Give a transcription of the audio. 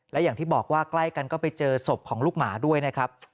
และอย่างที่บอกว่าใกล้กันก็ไปเจอศพของลูกหมาด้วยนะครับ